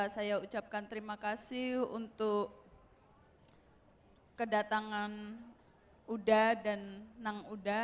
saya ucapkan terima kasih untuk kedatangan uda dan nang uda